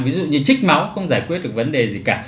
ví dụ như trích máu không giải quyết được vấn đề gì cả